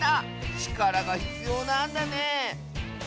ちからがひつようなんだね